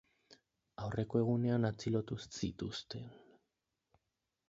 Aurreko egunean atxilotu zituzten.